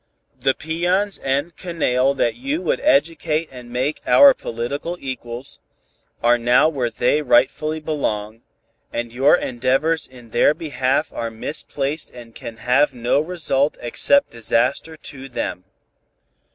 The peons and canaille that you would educate and make our political equals, are now where they rightfully belong, and your endeavors in their behalf are misplaced and can have no result except disaster to them.